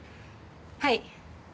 はい。